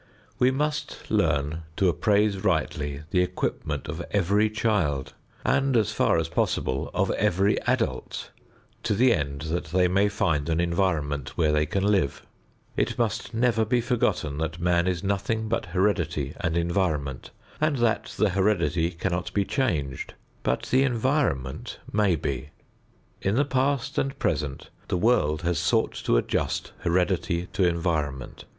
We must learn to appraise rightly the equipment of every child and, as far as possible, of every adult to the end that they may find an environment where they can live. It must never be forgotten that man is nothing but heredity and environment and that the heredity cannot be changed but the environment may be. In the past and present, the world has sought to adjust heredity to environment.